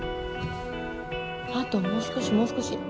あともう少しもう少し